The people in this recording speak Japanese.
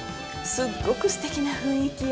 すっごくすてきな雰囲気よね